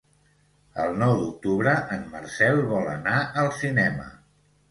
El nou d'octubre en Marcel vol anar al cinema.